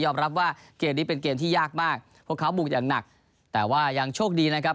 รับว่าเกมนี้เป็นเกมที่ยากมากพวกเขาบุกอย่างหนักแต่ว่ายังโชคดีนะครับ